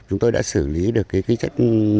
chúng tôi đã xử lý được cái chất